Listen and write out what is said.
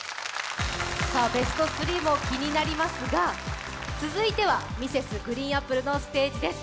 ベスト３も気になりますが続いてはＭｒｓ．ＧＲＥＥＮＡＰＰＬＥのステージです。